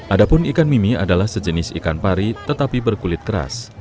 adapun ikan mimi adalah sejenis ikan pari tetapi berkulit keras